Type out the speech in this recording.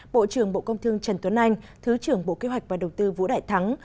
bộ trưởng bộ công thương trần tuấn anh thứ trưởng bộ kế hoạch và đầu tư vũ đại thắng